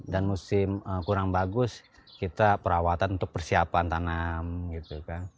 dan musim kurang bagus kita perawatan untuk persiapan tanam gitu kan